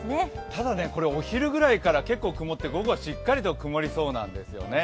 ただお昼ぐらいから結構曇って午後はしっかり曇りそうなんですね。